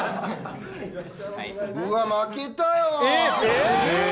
うわっ、負けたよー。